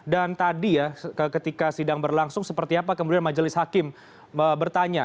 dan tadi ya ketika sidang berlangsung seperti apa kemudian majelis hakim bertanya